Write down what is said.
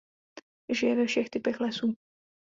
Žije ve všech typech lesů.